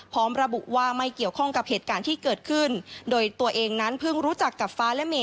พร้อมระบุว่าไม่เกี่ยวข้องกับเหตุการณ์ที่เกิดขึ้นโดยตัวเองนั้นเพิ่งรู้จักกับฟ้าและเม